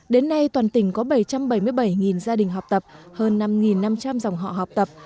đến nay toàn tỉnh có bảy trăm bảy mươi bảy gia đình học tập hơn năm năm trăm linh dòng họ học tập